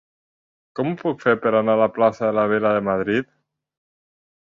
Com ho puc fer per anar a la plaça de la Vila de Madrid?